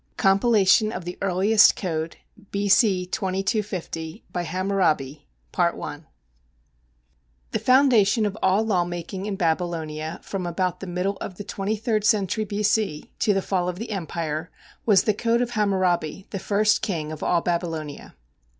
COMPILATION OF THE EARLIEST CODE B.C. 2250 HAMMURABI The foundation of all law making in Babylonia from about the middle of the twenty third century B.C. to the fall of the empire was the code of Hammurabi, the first king of all Babylonia.